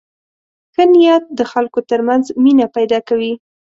ښه نیت د خلکو تر منځ مینه پیدا کوي.